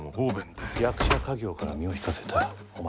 役者稼業から身を引かせたい。